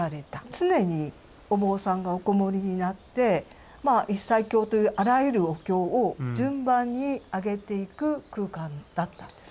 常にお坊さんがおこもりになって一切経というあらゆるお経を順番にあげていく空間だったんです。